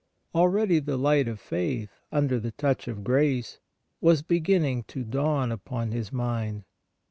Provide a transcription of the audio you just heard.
Already the light of faith, under the touch of grace, was beginning to dawn upon his mind.